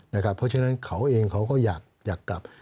เพราะฉะนั้นเขาเองเขาก็อยากกลับ